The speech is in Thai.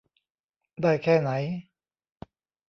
ได้แค่ไหน